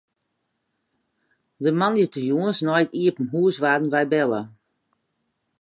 De moandeitejûns nei it iepen hûs waarden wy belle.